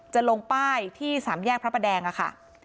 จะลงป้ายที่สามแยกประประแดงค่ะ